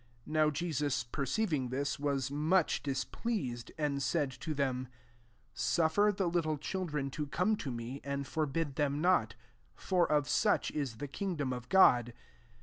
14 Now Jesus per ceiving this, was much displ^ts ed, and said to them, *< Suffer the little children to come to me, and forbid them ncH; for of such is the kingdom of God.